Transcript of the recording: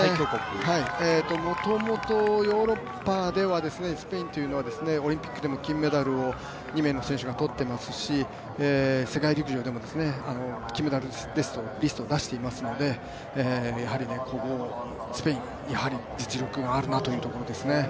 もともとヨーロッパではスペインっていうのはオリンピックでも金メダルを２名の選手がとってますし、世界陸上でも金メダリストを出していますのでやはり、古豪スペイン実力があるなという感じですね。